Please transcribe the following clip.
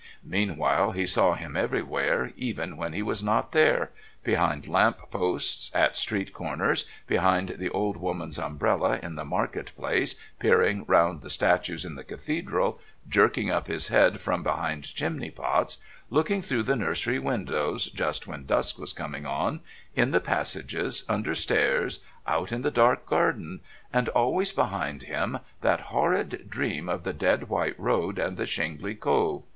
Meanwhile, he saw him everywhere, even when he was not there behind lamp posts, at street corners, behind the old woman's umbrella in the market place, peering round the statues in the Cathedral, jerking up his head from behind chimney pots, looking through the nursery windows just when dusk was coming on, in the passages, under stairs, out in the dark garden and always behind him that horrid dream of the dead white road and the shingly Cove...